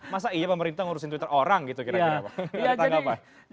masa iya pemerintah ngurusin twitter orang gitu kira kira pak